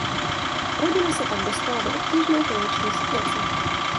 Rodina se tak dostala do obtížné finanční situace.